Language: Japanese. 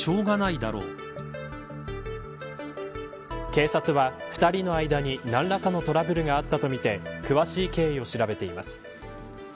警察は２人の間に何らかのトラブルがあったとみて詳しい経緯を調べています。